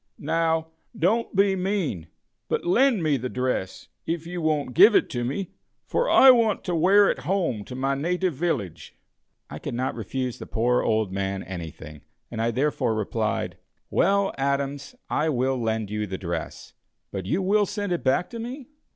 "Now, don't be mean, but lend me the dress, if you won't give it to me, for I want to wear it home to my native village." I could not refuse the poor old man anything, and I therefore replied: "Well, Adams, I will lend you the dress; but you will send it back to me?"